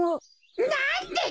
なんでだ？